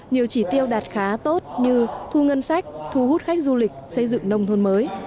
nhiều chỉ tiêu đạt khá tốt như thu ngân sách thu hút khách du lịch xây dựng nông thôn mới